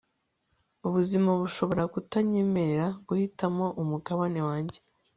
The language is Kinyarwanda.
ubuzima bushobora kutanyemerera guhitamo umugabane wanjye